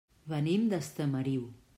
Venim d'Estamariu.